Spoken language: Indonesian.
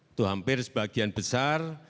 itu hampir sebagian besar